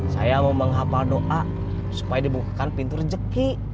saya mau menghapal doa supaya dibukakan pintu rezeki